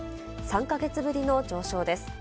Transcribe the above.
３か月ぶりの上昇です。